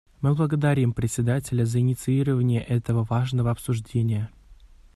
Мы благодарим Председателя за инициирование этого важного обсуждения.